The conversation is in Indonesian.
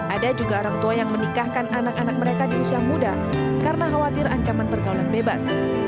ada juga orang tua yang menikahkan anak anak mereka di usia muda karena khawatir ancaman pergaulan bebas